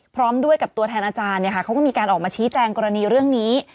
พร้อมด้วยกับตัวแทนอาจารย์เขาก็มีการออกมาชี้แจงกรณีเรื่องนี้